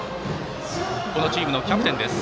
このチームのキャプテンです。